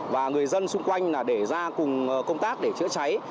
và người dân xung quanh là để ra cùng công tác để chữa cháy